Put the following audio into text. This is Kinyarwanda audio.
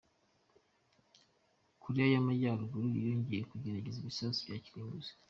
Koreya y’Amajyaruguru yongeye kugerageza ibisasu bya kirimbuzi